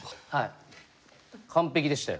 完璧でしたよ。